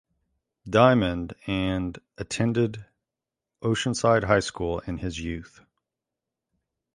Diamond and attended Oceanside High School in his youth.